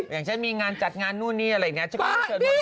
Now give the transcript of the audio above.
อย่างเช่นมีงานจัดงานนู่นนี้อะไรแบบนี้